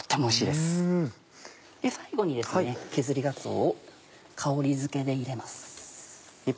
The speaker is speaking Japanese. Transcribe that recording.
最後に削りがつおを香りづけで入れます。